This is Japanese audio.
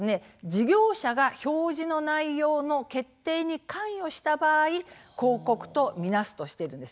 事業者が表示の内容の決定に関与した場合広告と見なすとしているんですね。